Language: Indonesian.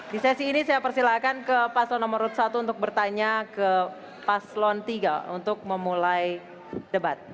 di sesi ini saya persilakan ke pasal nomor satu untuk bertanya ke pasal nomor tiga untuk memulai debat